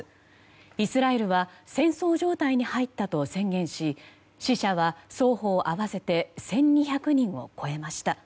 イスラエルは戦争状態に入ったと宣言し死者は双方合わせて１２００人を超えました。